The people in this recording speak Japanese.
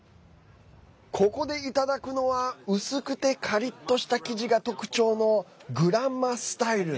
ここでいただくのは薄くてカリッとした生地が特徴のグランマスタイル